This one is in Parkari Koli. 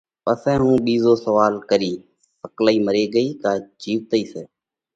پسئہ هُون ٻِيزو سوئال ڪرِيه: سڪلئِي مرل سئہ ڪا جِيوَتئِي سئہ؟